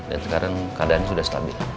dan sekarang keadaan sudah stabil